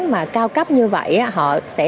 mà cao cấp như vậy họ sẽ